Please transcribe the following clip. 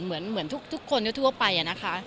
เหมือนทุกคนทั่วไปนะคะ